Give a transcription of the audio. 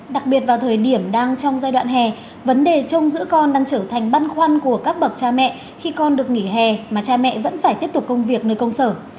đặc biệt vào thời điểm đang trong giai đoạn hè vấn đề trông giữ con đang trở thành băn khoăn của các bậc cha mẹ khi con được nghỉ hè mà cha mẹ vẫn phải tiếp tục công việc nơi công sở